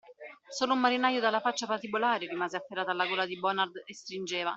Solo un marinaio dalla faccia patibolare rimase afferrato alla gola di Bonard e stringeva